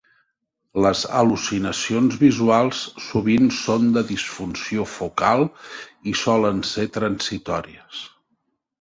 Les al·lucinacions visuals sovint són de disfunció focal i solen ser transitòries.